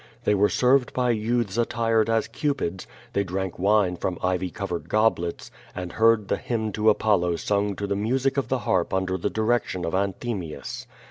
They were served by youths attired as eupids, they drank wine from ivy covered goblets, and heard the hymn to Apollo sung to the music of the harp under the direction of Anthemius.